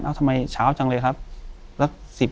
กุมารพายคือเหมือนกับว่าเขาจะมีอิทธิฤทธิ์ที่เยอะกว่ากุมารทองธรรมดา